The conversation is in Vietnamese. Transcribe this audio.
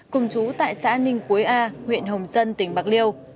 cùng chú tại xã ninh quế a huyện hồng dân tỉnh bạc liêu